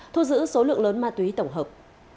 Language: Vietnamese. thu giữ số lượng lớn ma túy tổng hợp